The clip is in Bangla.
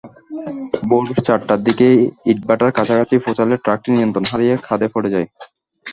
ভোর চারটার দিকে ইটভাটার কাছাকাছি পৌঁছালে ট্রাকটি নিয়ন্ত্রণ হারিয়ে খাদে পড়ে যায়।